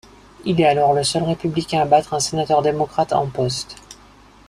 Il est alors le seul républicain à battre un sénateur démocrate en poste.